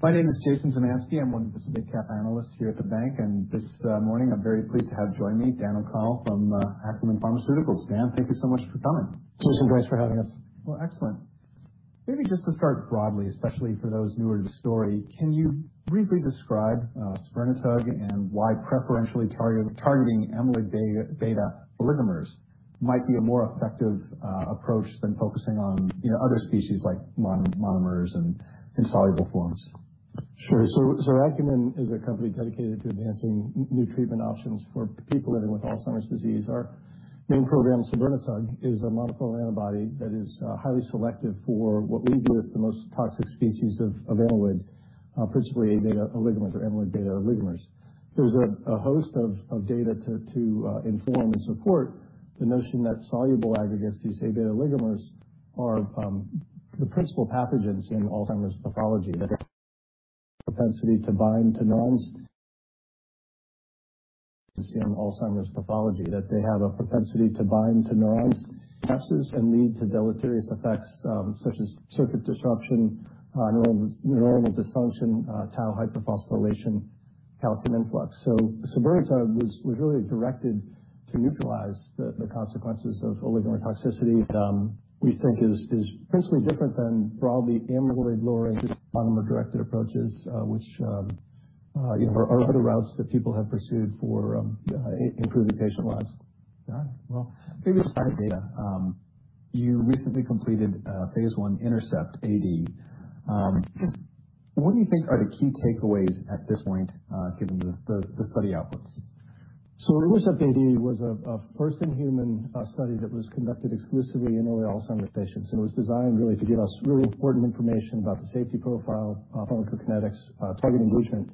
My name is Jason Zemansky. I'm one of the mid-cap analysts here at the bank, and this morning I'm very pleased to have join me Dan O'Connell from Acumen Pharmaceuticals. Dan, thank you so much for coming. Jason, thanks for having us. Excellent. Maybe just to start broadly, especially for those newer to the story, can you briefly describe sabirnetug and why preferentially targeting amyloid beta oligomers might be a more effective approach than focusing on other species like monomers and insoluble forms? Sure. Acumen is a company dedicated to advancing new treatment options for people living with Alzheimer's disease. Our main program, sabirnetug, is a monoclonal antibody that is highly selective for what we view as the most toxic species of amyloid, principally beta oligomers or amyloid beta oligomers. There's a host of data to inform and support the notion that soluble aggregates, these amyloid beta oligomers, are the principal pathogens in Alzheimer's pathology, that they have a propensity to bind to neurons, and lead to deleterious effects such as circuit disruption, neuronal dysfunction, tau hyperphosphorylation, calcium influx. Sabirnetug was really directed to neutralize the consequences of oligomer toxicity, which we think is principally different than broadly amyloid-lowering monomer-directed approaches, which are other routes that people have pursued for improving patient lives. Got it. Maybe the side data. You recently completed phase I Intercept AD. What do you think are the key takeaways at this point, given the study outputs? Intercept AD was a first in human study that was conducted exclusively in early Alzheimer's patients, and it was designed really to give us really important information about the safety profile, pharmacokinetics, target engagement,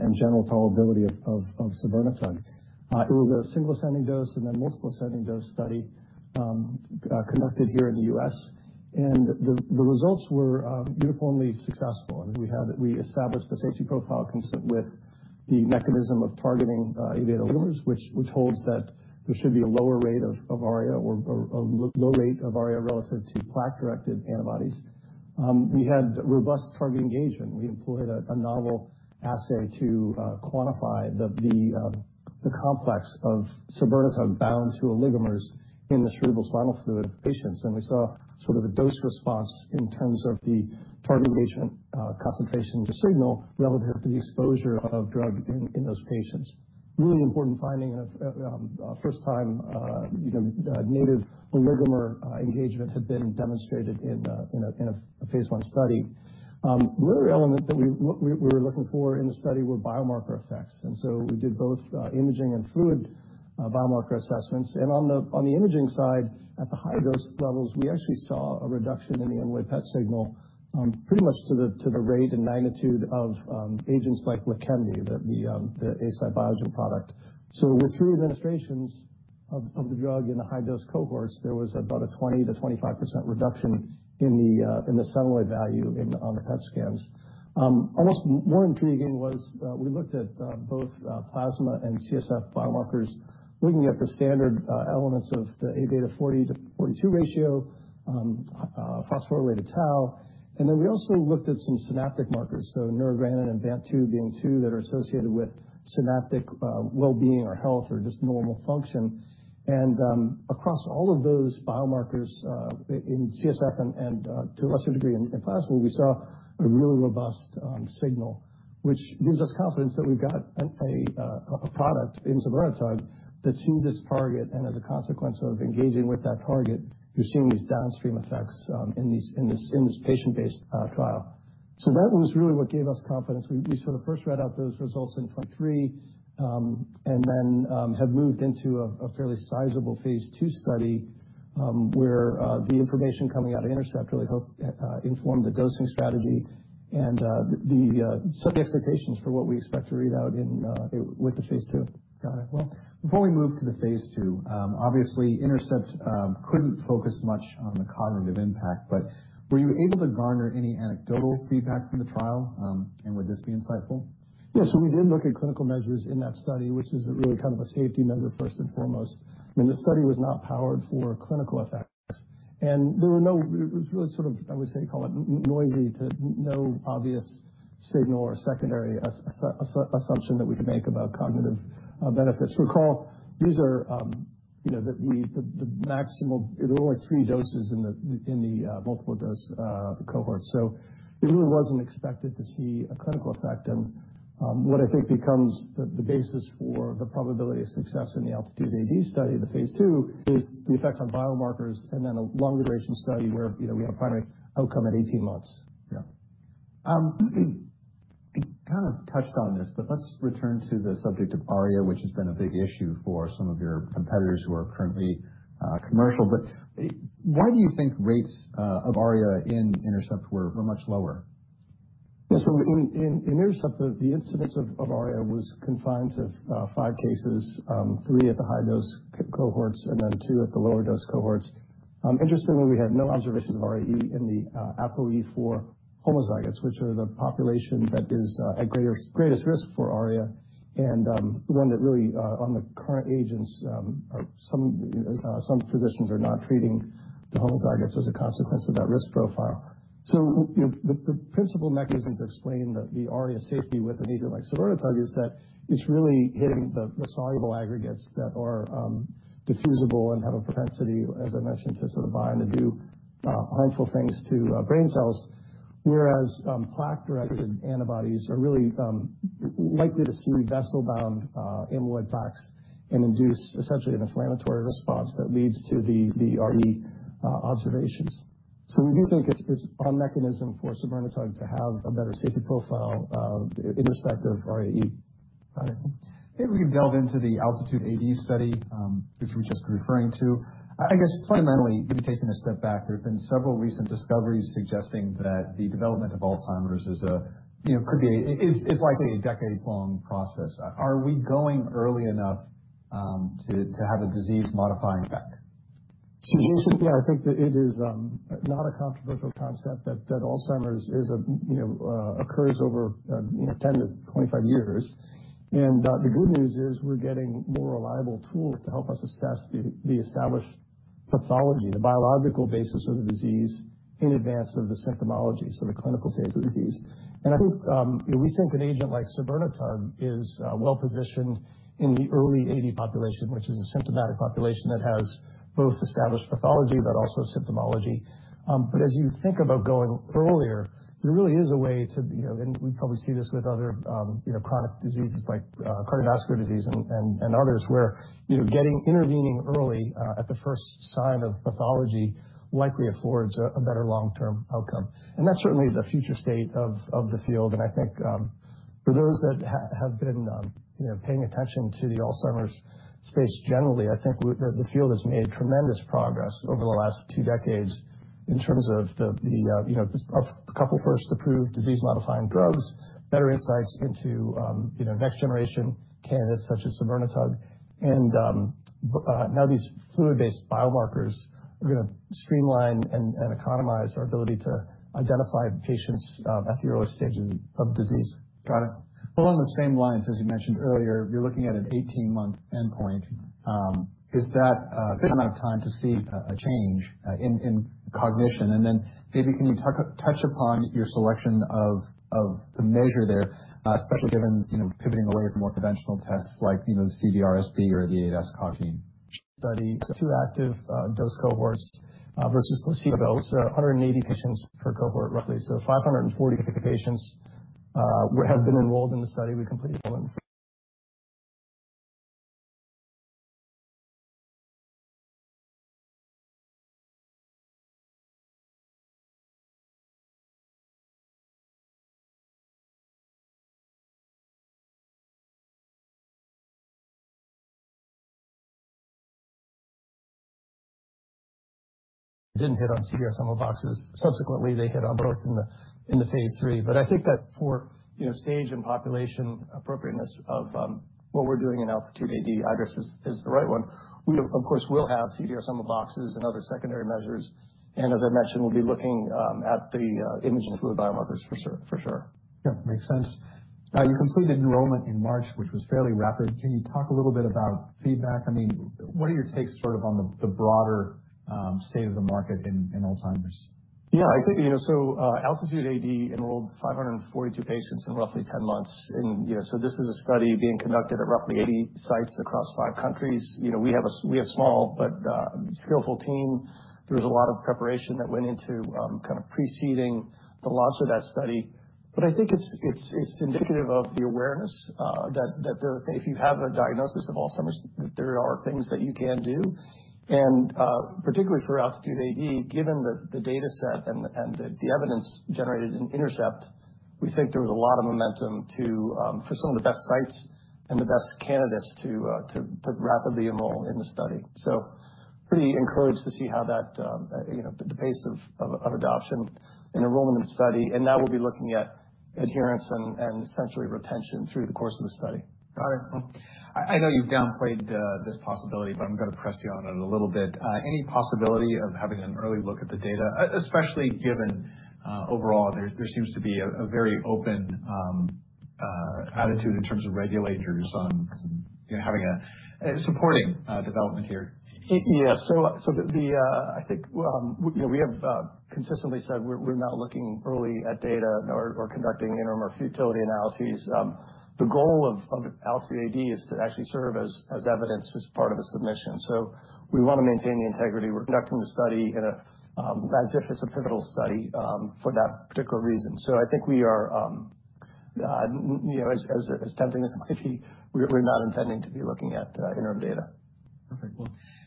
and general tolerability of sabirnetug. It was a single-ascending dose and then multiple-ascending dose study conducted here in the U.S., and the results were uniformly successful. We established the safety profile consistent with the mechanism of targeting amyloid beta oligomers, which holds that there should be a lower rate of ARIA or a low rate of ARIA relative to plaque-directed antibodies. We had robust target engagement. We employed a novel assay to quantify the complex of sabirnetug bound to oligomers in the cerebrospinal fluid of patients, and we saw sort of a dose response in terms of the target engagement concentration signal relative to the exposure of drug in those patients. Really important finding, and first time native oligomer engagement had been demonstrated in a phase I study. The other element that we were looking for in the study were biomarker effects, and so we did both imaging and fluid biomarker assessments. On the imaging side, at the high dose levels, we actually saw a reduction in the amyloid PET signal pretty much to the rate and magnitude of agents like Leqembi, the Eisai Biogen product. With three administrations of the drug in the high dose cohorts, there was about a 20%-25% reduction in the centiloid value on the PET scans. Almost more intriguing was we looked at both plasma and CSF biomarkers, looking at the standard elements of the Aβ 40/42 ratio, phosphorylated tau, and then we also looked at some synaptic markers, so Neurogranin and BANT2 being two that are associated with synaptic well-being or health or just normal function. Across all of those biomarkers in CSF and to a lesser degree in plasma, we saw a really robust signal, which gives us confidence that we've got a product in sabirnetug that sees its target, and as a consequence of engaging with that target, you're seeing these downstream effects in this patient-based trial. That was really what gave us confidence. We sort of first read out those results in 2023 and then have moved into a fairly sizable phase II study where the information coming out of Intercept really helped inform the dosing strategy and set the expectations for what we expect to read out with the phase II. Got it. Before we move to the phase II, obviously Intercept could not focus much on the cognitive impact, but were you able to garner any anecdotal feedback from the trial, and would this be insightful? Yeah. We did look at clinical measures in that study, which is really kind of a safety measure first and foremost. I mean, the study was not powered for clinical effects, and there were no, it was really sort of, I would say, call it noisy to no obvious signal or secondary assumption that we could make about cognitive benefits. Recall, these are the maximal, there were only three doses in the multiple dose cohort, so it really was not expected to see a clinical effect. What I think becomes the basis for the probability of success in the Altitude AD study, the phase II, is the effect on biomarkers and then a longer duration study where we have a primary outcome at 18 months. Yeah. You kind of touched on this, but let's return to the subject of ARIA, which has been a big issue for some of your competitors who are currently commercial. Why do you think rates of ARIA in Intercept were much lower? Yeah. In Intercept, the incidence of ARIA was confined to five cases, three at the high dose cohorts and two at the lower dose cohorts. Interestingly, we had no observations of ARIA in the ApoE4 homozygotes, which are the population that is at greatest risk for ARIA, and one that really on the current agents, some physicians are not treating the homozygotes as a consequence of that risk profile. The principal mechanism to explain the ARIA safety with an agent like sabirnetug is that it is really hitting the soluble aggregates that are diffusable and have a propensity, as I mentioned, to sort of bind and do harmful things to brain cells, whereas plaque-directed antibodies are really likely to see vessel-bound amyloid plaques and induce essentially an inflammatory response that leads to the ARIA observations. We do think it's a mechanism for sabirnetug to have a better safety profile in respect of ARIA. Got it. Maybe we could delve into the Altitude AD study, which we're just referring to. I guess fundamentally, maybe taking a step back, there have been several recent discoveries suggesting that the development of Alzheimer's could be a, it's likely a decade-long process. Are we going early enough to have a disease-modifying effect? Jason, yeah, I think it is not a controversial concept that Alzheimer's occurs over 10 to 25 years. The good news is we're getting more reliable tools to help us assess the established pathology, the biological basis of the disease in advance of the symptomology, so the clinical stage of the disease. I think we think an agent like sabirnetug is well-positioned in the early AD population, which is a symptomatic population that has both established pathology but also symptomology. As you think about going earlier, there really is a way to, and we probably see this with other chronic diseases like cardiovascular disease and others, where intervening early at the first sign of pathology likely affords a better long-term outcome. That's certainly the future state of the field. I think for those that have been paying attention to the Alzheimer's space generally, I think the field has made tremendous progress over the last two decades in terms of a couple first-approved disease-modifying drugs, better insights into next-generation candidates such as sabirnetug, and now these fluid-based biomarkers are going to streamline and economize our ability to identify patients at the early stages of disease. Got it. On the same lines, as you mentioned earlier, you're looking at an 18-month endpoint. Is that a good amount of time to see a change in cognition? Maybe can you touch upon your selection of the measure there, especially given pivoting away from more conventional tests like CDR-SB or the ADAS-Cog study? Two active dose cohorts versus placebo. So 180 patients per cohort roughly, so 540 patients have been enrolled in the study. We completed on CDR-SB boxes. Subsequently, they hit on both in the phase III. I think that for stage and population appropriateness of what we're doing in Altitude AD, iADRS is the right one. We, of course, will have CDR-SB boxes and other secondary measures. As I mentioned, we'll be looking at the imaging fluid biomarkers for sure. Yeah, makes sense. Now, you completed enrollment in March, which was fairly rapid. Can you talk a little bit about feedback? I mean, what are your takes sort of on the broader state of the market in Alzheimer's? Yeah, I think so. Altitude AD enrolled 542 patients in roughly 10 months. This is a study being conducted at roughly 80 sites across five countries. We have a small but skillful team. There was a lot of preparation that went into kind of preceding the launch of that study. I think it's indicative of the awareness that if you have a diagnosis of Alzheimer's, there are things that you can do. Particularly for Altitude AD, given the dataset and the evidence generated in Intercept, we think there was a lot of momentum for some of the best sites and the best candidates to rapidly enroll in the study. Pretty encouraged to see the pace of adoption and enrollment in the study. Now we'll be looking at adherence and essentially retention through the course of the study. Got it. I know you've downplayed this possibility, but I'm going to press you on it a little bit. Any possibility of having an early look at the data, especially given overall there seems to be a very open attitude in terms of regulators on having a supporting development here? Yeah. I think we have consistently said we're not looking early at data or conducting interim or futility analyses. The goal of Altitude AD is to actually serve as evidence as part of a submission. We want to maintain the integrity. We're conducting the study as if it's a pivotal study for that particular reason. I think we are, as tempting as it might be, we're not intending to be looking at interim data. Perfect.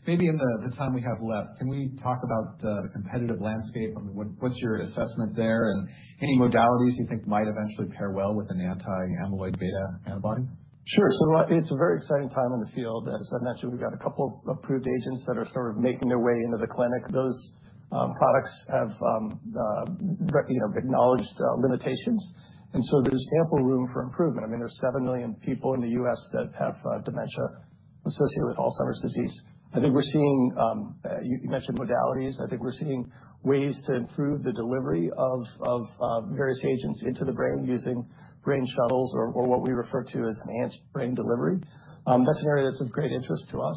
Maybe in the time we have left, can we talk about the competitive landscape? I mean, what's your assessment there and any modalities you think might eventually pair well with an anti-amyloid beta antibody? Sure. It's a very exciting time in the field. As I mentioned, we've got a couple approved agents that are sort of making their way into the clinic. Those products have acknowledged limitations, and so there's ample room for improvement. I mean, there are 7 million people in the U.S. that have dementia associated with Alzheimer's disease. I think we're seeing, you mentioned modalities. I think we're seeing ways to improve the delivery of various agents into the brain using brain shuttles or what we refer to as an antibody brain delivery. That's an area that's of great interest to us.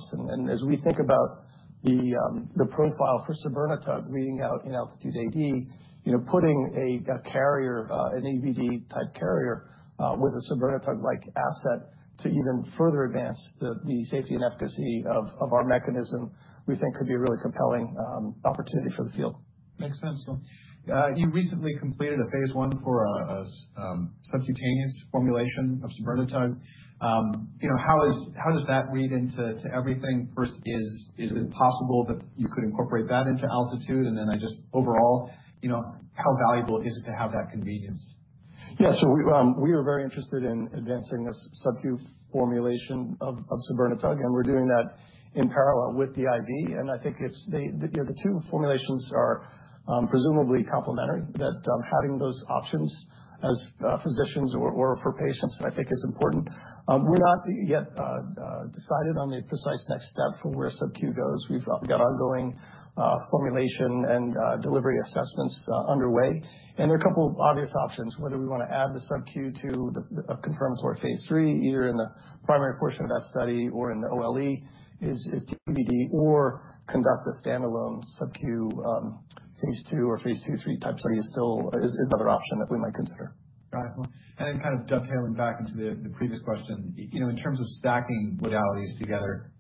As we think about the profile for sabirnetug, we're reading out in Altitude AD, putting a carrier, an EBD-type carrier with a sabirnetug-like asset to even further advance the safety and efficacy of our mechanism, we think could be a really compelling opportunity for the field. Makes sense. You recently completed a phase I for a subcutaneous formulation of sabirnetug. How does that read into everything? First, is it possible that you could incorporate that into Altitude? I just, overall, how valuable is it to have that convenience? Yeah. We are very interested in advancing this subQ formulation of sabirnetug, and we're doing that in parallel with the IV. I think the two formulations are presumably complementary, that having those options as physicians or for patients, I think is important. We're not yet decided on the precise next step for where subQ goes. We've got ongoing formulation and delivery assessments underway. There are a couple of obvious options, whether we want to add the subQ to a confirmatory phase III, either in the primary portion of that study or in the OLE, is TBD, or conduct a standalone subQ phase II or phase II, III type study is another option that we might consider. Got it. And then kind of dovetailing back into the previous question, in terms of stacking modalities together,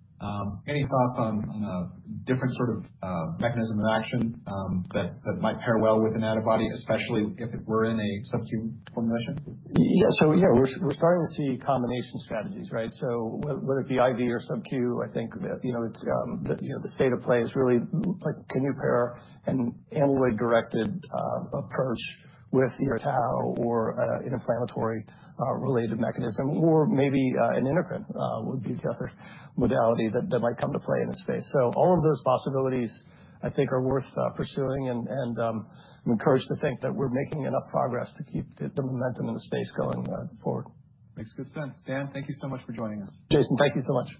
any thoughts on a different sort of mechanism of action that might pair well with an antibody, especially if it were in a subQ formulation? Yeah. So yeah, we're starting to see combination strategies, right? Whether it be IV or subQ, I think the state of play is really can you pair an amyloid-directed approach with either a tau or an inflammatory-related mechanism, or maybe an endocrine would be the other modality that might come to play in this space. All of those possibilities, I think, are worth pursuing, and I'm encouraged to think that we're making enough progress to keep the momentum in the space going forward. Makes good sense. Dan, thank you so much for joining us. Jason, thank you so much.